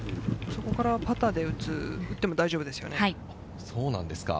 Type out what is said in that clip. そこからパターで打っても大丈夫ですよね。